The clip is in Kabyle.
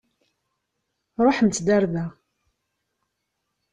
Ṛuḥemt-d ar da.